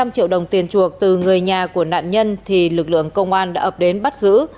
năm triệu đồng tiền chuộc từ người nhà của nạn nhân thì lực lượng công an đã ập đến bắt giữ